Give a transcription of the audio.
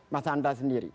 mas anda sendiri